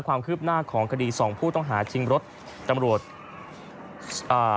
ความคืบหน้าของคดีสองผู้ต้องหาชิงรถตำรวจอ่า